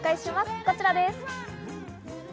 こちらです。